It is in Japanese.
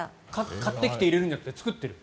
買ってきて入れるんじゃなくて作ってる？